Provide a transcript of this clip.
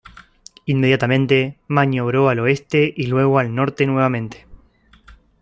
Inmediatamente, maniobró al oeste y luego al norte nuevamente.